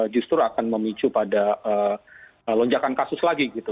justru akan memicu pada lonjakan kasus lagi gitu